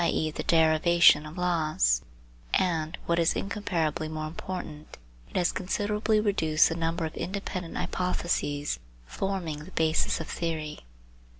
e. the derivation of laws, and what is incomparably more important it has considerably reduced the number of independent hypothese forming the basis of theory.